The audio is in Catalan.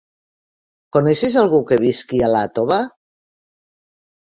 Coneixes algú que visqui a Iàtova?